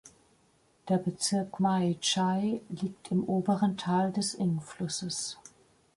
Der Bezirk Mae Chai liegt im oberen Tal des Ing-Flusses.